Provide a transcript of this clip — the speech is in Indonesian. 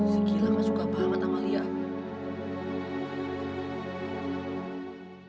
si gila masuk ke apa sama tamu liat